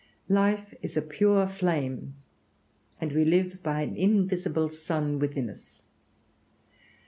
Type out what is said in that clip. Life is a pure flame, and we live by an invisible sun within us.